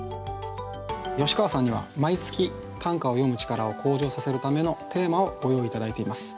吉川さんには毎月短歌を詠む力を向上させるためのテーマをご用意頂いています。